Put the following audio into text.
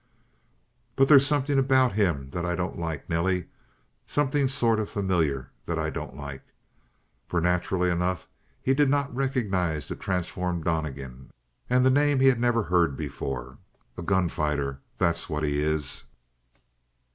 "But they's something about him that I don't like, Nelly. Something sort of familiar that I don't like." For naturally enough he did not recognize the transformed Donnegan, and the name he had never heard before. "A gunfighter, that's what he is!"